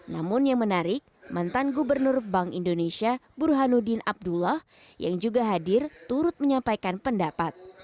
namun yang menarik mantan gubernur bank indonesia burhanuddin abdullah yang juga hadir turut menyampaikan pendapat